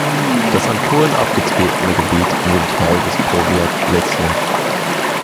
Das an Polen abgetretene Gebiet wurde Teil des Powiat Leszno.